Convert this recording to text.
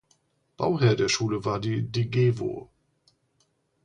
Bauherr der Schule war die Degewo.